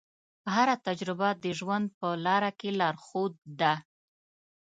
هره تجربه د ژوند په لاره کې لارښود ده.